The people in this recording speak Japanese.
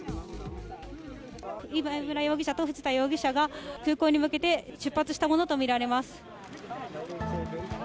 今、今村容疑者と藤田容疑者が、空港に向けて出発したものと見られます。